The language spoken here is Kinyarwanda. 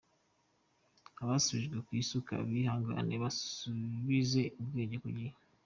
Abasubijwe ku isuka bihangane basubize ubwenge ku gihe !